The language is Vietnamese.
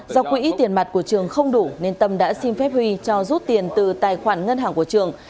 do quỹ tiền mặt của trường không đủ nên tâm đã xin phép huy cho rút tiền từ tài khoản ngân hàng của trường